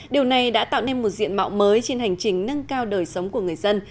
điều này đã tạo nên một diện mạo mới trên hành trình nâng cao đời sống của người dân